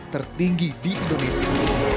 tertinggi di indonesia